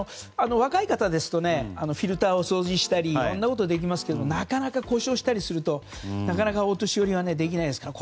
若い方ですとフィルターを掃除したりいろんなことができますけど故障したりするとなかなかお年寄りはできないですから。